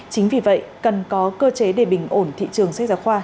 chính vì vậy cần có cơ chế để bình ổn thị trường sách giáo khoa